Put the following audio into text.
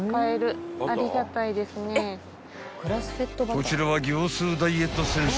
［こちらは業スーダイエット先生